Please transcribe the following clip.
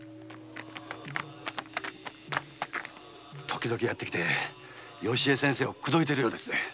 時々やってきて良江先生を口説いてるようですぜ。